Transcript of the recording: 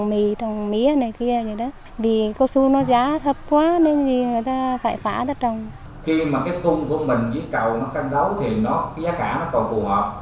khi mà cung của mình với cầu nó canh đấu thì giá cả nó còn phù hợp